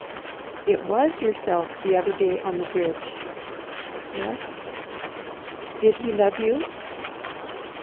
"It WAS yourself the other day on the bridge?" "Yes." "Did he love you?"